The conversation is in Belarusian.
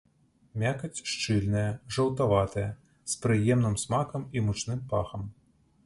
Мякаць шчыльная, жаўтаватая, з прыемным смакам і мучным пахам.